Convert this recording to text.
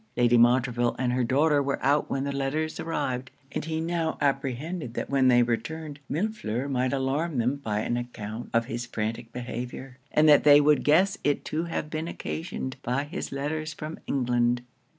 Lady Montreville and her daughter were out when the letters arrived; and he now apprehended that when they returned Millefleur might alarm them by an account of his frantic behaviour, and that they would guess it to have been occasioned by his letters from England.